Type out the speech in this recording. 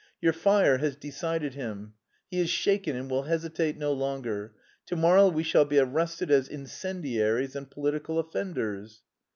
Your fire has decided him: he is shaken and will hesitate no longer. To morrow we shall be arrested as incendiaries and political offenders."